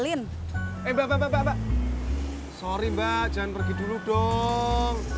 dong sore mbak jangan pergi dulu dong sore mbak jangan pergi dulu dong